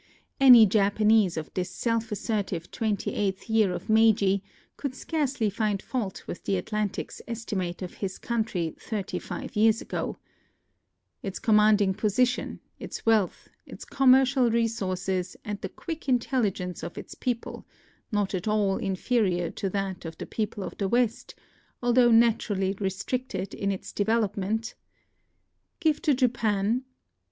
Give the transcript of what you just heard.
Any Japanese of this self assertive twenty eighth year of Meiji could scarcely find fault with The Atlantic's esti mate of his country thirty five years ago :" Its commanding position, its wealth, its commer cial resources, and the quick intelligence of its people, — not at all inferior to that of the 56 NOTES OF A TRIP TO KYOTO people of tlie West, although naturally re stricted in its development, — give to Japan